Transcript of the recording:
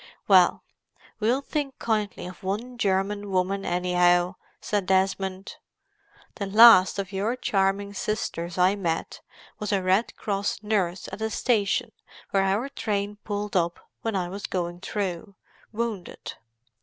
"Well, we'll think kindly of one German woman, anyhow," said Desmond. "The last of your charming sisters I met was a Red Cross nurse at a station where our train pulled up when I was going through, wounded.